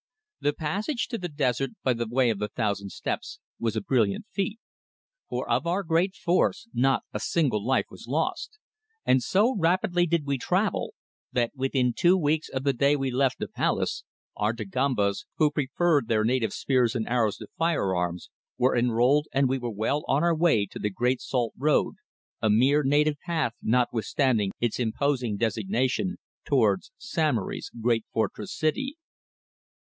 The passage to the desert by the Way of the Thousand Steps was a brilliant feat, for of our great force not a single life was lost, and so rapidly did we travel, that within two weeks of the day we left the palace, our Dagombas, who preferred their native spears and arrows to firearms, were enrolled and we were well on our way to the Great Salt Road, a mere native path notwithstanding its imposing designation, towards Samory's great fortress city.